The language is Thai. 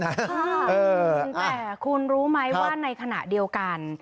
แต่คุณรู้ไหมว่าในขณะเดียวกัน